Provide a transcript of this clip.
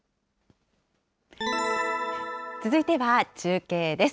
続いては中継です。